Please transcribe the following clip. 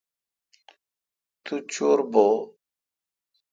تو چور بھو۔